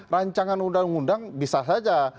rancangan undang undang bisa saja